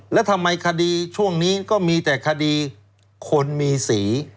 แล้วทำไมคดีช่วงนี้ก็มีแต่คดีคนมีสี